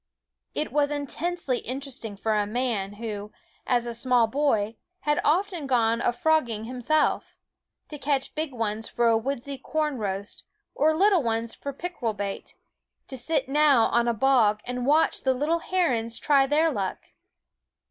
It was intensely interesting for a man who, as a small boy, had often gone a frogging Fi THE WOODS himself to catch big ones for a woodsy corn roast, or little ones for pickerel bait ~,,~,... Quoskh ffte to sit now on a bog and watch the little *^^Keen Eyed herons try their luck.